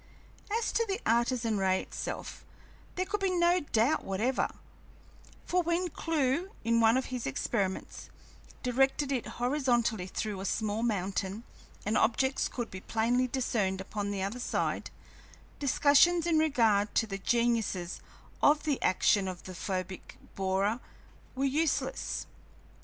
As to the Artesian ray itself, there could be no doubt whatever, for when Clewe, in one of his experiments, directed it horizontally through a small mountain and objects could be plainly discerned upon the other side, discussions in regard to the genuineness of the action of the photic borer were useless.